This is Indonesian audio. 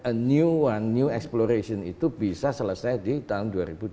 a new one new exploration itu bisa selesai di tahun dua ribu dua puluh